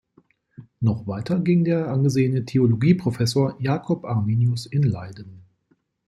Noch weiter ging der angesehene Theologieprofessor Jakob Arminius in Leiden.